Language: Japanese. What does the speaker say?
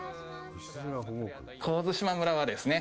神津島村はですね